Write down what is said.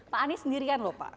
pak anies sendirian lho pak